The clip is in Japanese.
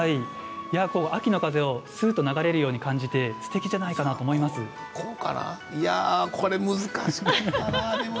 秋の風を流れるように感じて、すてきじゃないかな難しいですね。